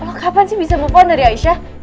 lo kapan sih bisa mempunyai aisyah